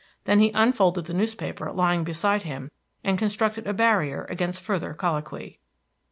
Then he unfolded the newspaper lying beside him, and constructed a barrier against further colloquy.